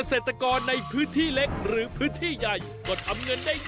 เศรษฐกรในพื้นที่เล็กหรือพื้นที่ใหญ่ก็ทำเงินได้เยอะ